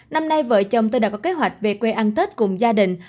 năm nay vợ chồng tôi đã có kế hoạch về quê ăn tết cùng gia đình